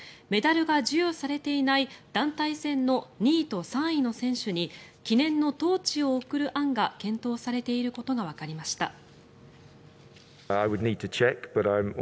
メダルが授与されていない団体戦の２位と３位の選手に記念のトーチを贈る案が検討されていることがわかりました。